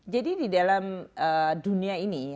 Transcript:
jadi di dalam dunia ini